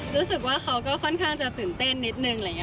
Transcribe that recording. รู้สึกว่าเขาก็ค่อนข้างจะตื่นเต้นนิดหนึ่ง